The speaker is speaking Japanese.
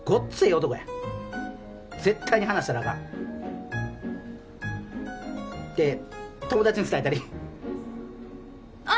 男や絶対に離したらあかんて友達に伝えたりあっ！